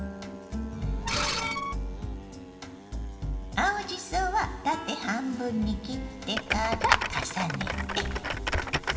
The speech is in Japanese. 青じそは縦半分に切ってから重ねて。